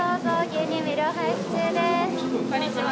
こんにちは。